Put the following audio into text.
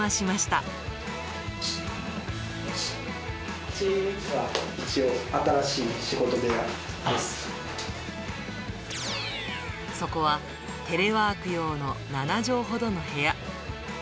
こっちが一応、新しい仕事部そこは、テレワーク用の７畳ほどの部屋。